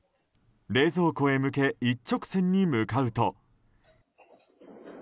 冷蔵庫へ向け一直線に向かうと。